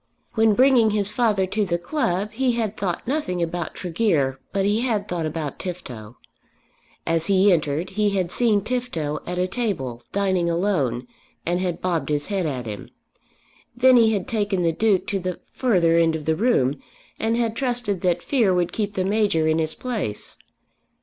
When bringing his father to the club he had thought nothing about Tregear but he had thought about Tifto. As he entered he had seen Tifto at a table dining alone, and had bobbed his head at him. Then he had taken the Duke to the further end of the room, and had trusted that fear would keep the Major in his place.